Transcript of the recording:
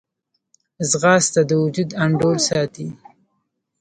ځغاسته د وجود انډول ساتي